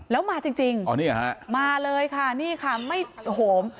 แล้วมาจริงมาเลยค่ะนี่ค่ะไม่โอ้โฮ